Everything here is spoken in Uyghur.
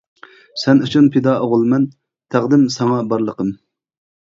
سەن ئۈچۈن پىدا ئوغۇلمەن، تەقدىم ساڭا بارلىقىم.